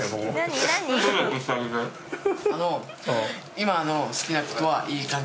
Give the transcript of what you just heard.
今の好きな子とはいい感じ？